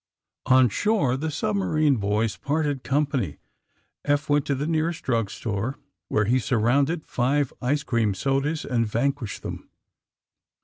On shore the submarine boys parted company. Eph went to the nearest drag store, where he surrounded five ice cream sodas and vanquished them.